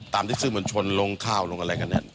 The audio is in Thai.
ตามที่ซึมวัญชนลงข้าวลงอะไรกันเนี่ย